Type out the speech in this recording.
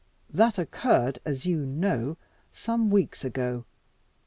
That occurred, as you know, some weeks ago.